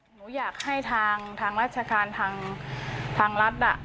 หนูอยากให้ทางราชการทางรัฐ